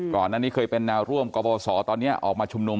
ก่อนนั้นนี่เคยเป็นร่วมกบวสอตอนนี้ออกมาชุมนุม